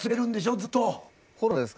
ずっと。